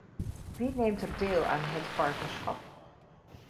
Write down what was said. Wie neemt er deel aan het partnerschap?